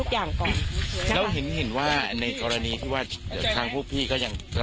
กรณีเรายังไม่ได้ข่าวไว้ฉะนั้นเราขอหยุดทุกอย่างก่อน